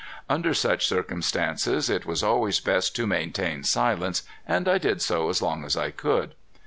Under such circumstances it was always best to maintain silence and I did so as long as I could.